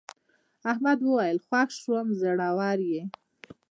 احمد وویل خوښ شوم زړور یې.